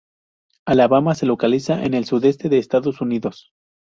Alabama se localiza en el sudeste de Estados Unidos.